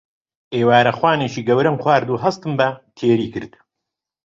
ئێوارەخوانێکی گەورەم خوارد و هەستم بە تێری کرد.